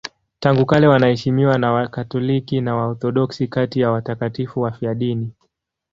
Tangu kale wanaheshimiwa na Wakatoliki na Waorthodoksi kati ya watakatifu wafiadini.